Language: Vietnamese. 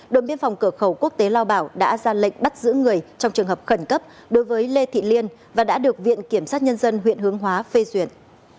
đội biên phòng cửa khẩu quốc tế lao bảo đã ra lệnh bắt giữ người trong trường hợp khẩn cấp đối với lê thị liên và đã được viện kiểm sát nhân dân huyện hướng hóa phê duyệt